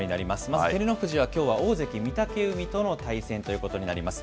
まず照ノ富士はきょうは大関・御嶽海との対戦ということになります。